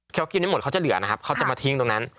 เขากินให้หมดเขาจะเหลือนะครับเขาจะมาทิ้งตรงนั้น